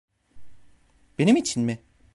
Benim için mi?